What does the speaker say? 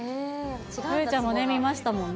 ちゃんも見ましたもんね。